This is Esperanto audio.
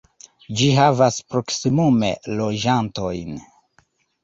Ĝi havas proksimume loĝantojn.